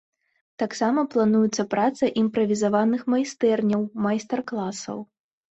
Таксама плануецца праца імправізаваных майстэрняў, майстар-класаў.